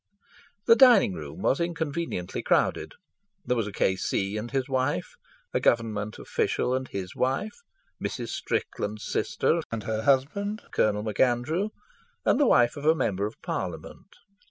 The dining room was inconveniently crowded. There was a K.C. and his wife, a Government official and his wife, Mrs. Strickland's sister and her husband, Colonel MacAndrew, and the wife of a Member of Parliament.